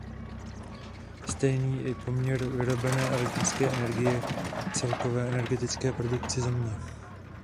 Stejný je i poměr vyrobené elektrické energie k celkové energetické produkci země.